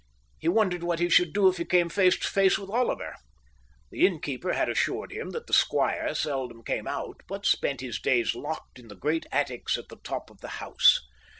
He wondered what he should do if he came face to face with Oliver. The innkeeper had assured him that the squire seldom came out, but spent his days locked in the great attics at the top of the house.